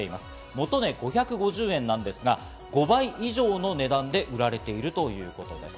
元値５５０円なんですが、５倍以上の値段で売られているということです。